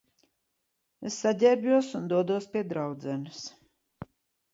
Es saģērbjos un dodos pie draudzenes.